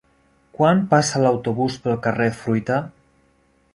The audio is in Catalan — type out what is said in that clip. Quan passa l'autobús pel carrer Fruita?